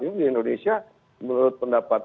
ini di indonesia menurut pendapat